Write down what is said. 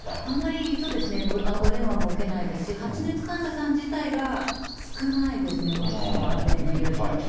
あまり、そうですね、お電話も受けないですし、発熱患者さん自体が少ないですね、ことしは、例年よりも。